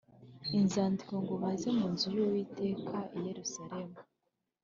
inzandiko ngo baze mu nzu y Uwiteka i Yerusalemu